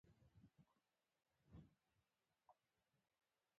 نېمه شپه ، د چا د یاد راسره شپه